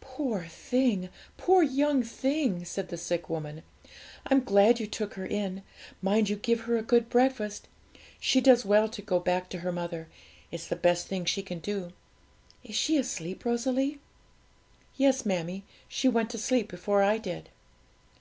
'Poor thing! poor young thing!' said the sick woman. 'I'm glad you took her in; mind you give her a good breakfast She does well to go back to her mother; it's the best thing she can do. Is she asleep, Rosalie?' 'Yes, mammie dear, she went to sleep before I did.'